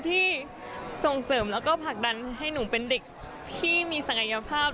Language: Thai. ที่ส่งเสริมแล้วก็ผลักดันให้หนูเป็นเด็กที่มีศักยภาพ